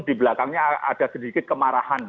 di belakangnya ada sedikit kemarahan